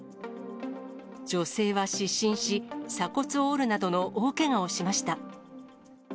女性は失神し、鎖骨を折るなどの大けがをしました。